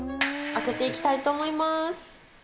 開けていきたいと思います。